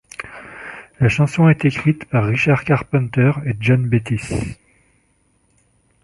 La chanson est écrite par Richard Carpenter et John Bettis.